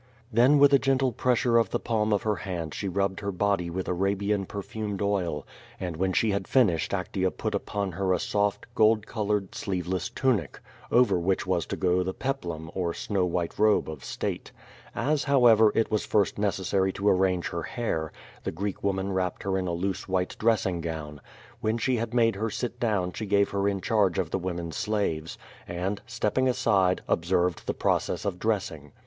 Then with a gentle pressure of the palm of her hand she nibbed her body with Arabian perfumed oil, and when she had finished Actea put upon her a soft, gold colored, sleeve less tunic, over which was to go the peplum, or snow white robe of Bttde. As, however, it was first necessary to arrange her hair, the Greek woman wrapped her in a loose white dressing gown. When she had made her sit down she gave her in charge of the women slaves, and, stepping aside, ob served the process of dressing.